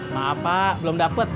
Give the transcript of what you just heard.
maaf pak belum dapat